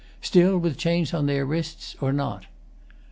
[Still, with chains on their wrists? or not?